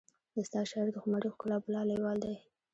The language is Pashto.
د ستا شاعر د خماري ښکلا بلا لیوال دی